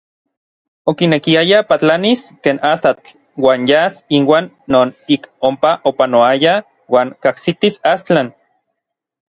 Okinekiaya patlanis ken astatl uan yas inuan non ik onpa opanoayaj uan kajsitis Astlan.